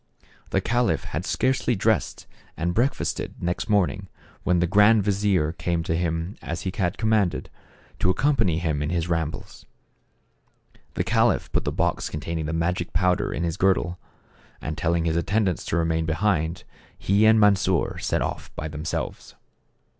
The caliph had scarcely dressed and break fasted, next morning, when the grand vizier came to him as he had commanded, to accompany him in his rambles. The caliph put the box contain ing the magic powder in his girdle, and telling his attendants to remain behind, he and Mansor set off by themselves.